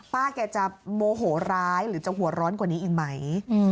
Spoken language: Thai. ป้าแกจะโมโหร้ายหรือจะหัวร้อนกว่านี้อีกไหม